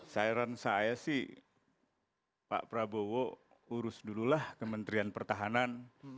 sairan saya sih pak prabowo urus dululah kementerian pertahanan